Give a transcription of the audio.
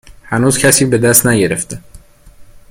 هنوز کسی به دست نگرفته